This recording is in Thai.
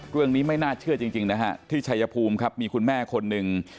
ไม่น่าเชื่อจริงนะฮะที่ชายภูมิครับมีคุณแม่คนหนึ่ง